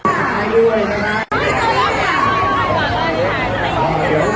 ขอบคุณมากนะคะแล้วก็แถวนี้ยังมีชาติของ